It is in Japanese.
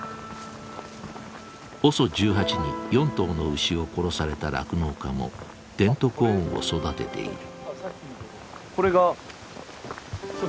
ＯＳＯ１８に４頭の牛を殺された酪農家もデントコーンを育てている。